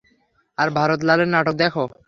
আর ভারত লালের নাটক দেখো।